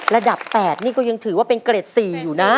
ระดับ๘นี่ก็ยังถือว่าเป็นเกรด๔อยู่นะ